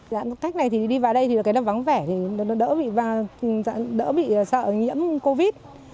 giãn cách này thì đi vào đây thì cái nó vắng vẻ nó đỡ bị sợ nhiễm covid